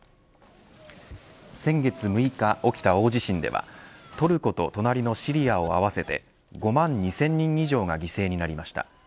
先月６日起きた大地震ではトルコと隣のシリアを合わせて５万２０００人以上が犠牲になりました。